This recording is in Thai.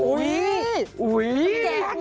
จักร